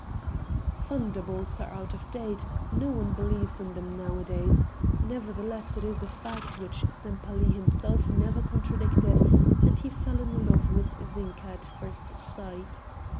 Thunderbolts are out of date, no one believes in them now a days; nevertheless it is a fact, which Sempaly himself never contradicted, that he fell in love with Zinka at first sight.